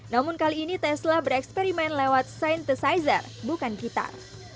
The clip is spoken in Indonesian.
namun kali ini tesla bereksperimen lewat saintisir bukan gitar